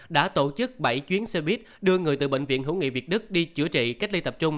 đã tổ chức bảy chuyến xe buýt đưa người từ bệnh viện hữu nghị việt đức đi chữa trị cách ly tập trung